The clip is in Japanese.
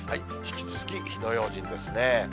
引き続き、火の用心ですね。